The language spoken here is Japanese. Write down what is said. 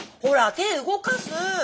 手動かす！